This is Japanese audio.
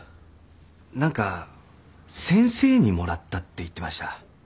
何か「先生にもらった」って言ってました。